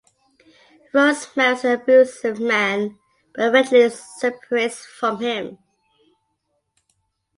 Rose marries an abusive man but eventually separates from him.